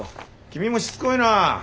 キミもしつこいな。